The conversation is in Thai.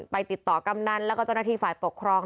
ไปติดต่อกำนันแล้วก็จนทีฝ่ายปกครอง